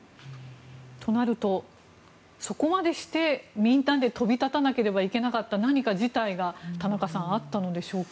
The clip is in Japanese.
となると、そこまでしてみんなで飛び立たなければいけなかった何か事態があったのでしょうか？